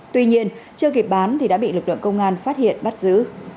tuy nhiên chưa kịp bán thì đã bị lực lượng công an phát hiện bắt giữ